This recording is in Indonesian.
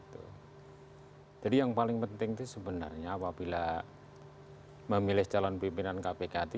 yang paling penting itu sebenarnya apabila memilih calon pimpinan kpk itu